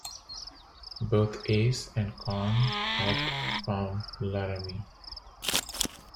Both Ace and Con helped found Laramie.